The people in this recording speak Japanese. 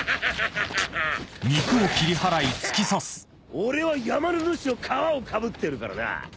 俺は山の主の皮をかぶってるからな。